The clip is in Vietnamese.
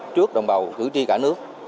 trước đồng bào cử tri cả nước